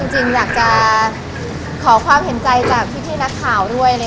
จริงอยากจะขอความเห็นใจจากพี่นักข่าวด้วย